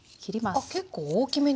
あっ結構大きめに。